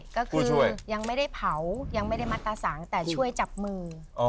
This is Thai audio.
ก็คือยังไม่ได้เผายังไม่ได้มัตตาสังแต่ช่วยจับมือ